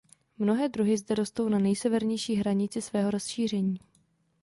Mnohé druhy zde rostou na nejsevernější hranici svého rozšíření.